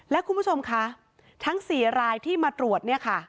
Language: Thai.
และคุณผู้ชมคะทั้ง๔รายที่มาตรวจ